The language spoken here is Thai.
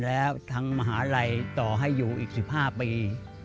แล้วทางมหาลัยต่อให้อยู่อีก๑๕ปี